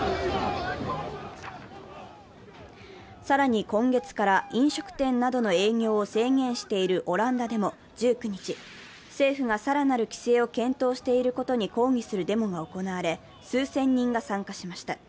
更に今月から飲食店などの営業を制限しているオランダでも１９日、政府が更なる規制を検討していることに抗議するデモが行われ、数千人が参加しました。